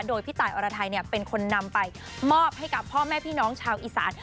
โดยพี่ตายอรไทยเป็นคนนำไปมอบให้กับพ่อแม่พี่น้องชาวอีสาน